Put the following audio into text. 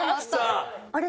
あれ？